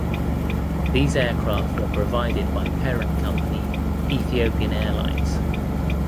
These aircraft were provided by parent company Ethiopian Airlines.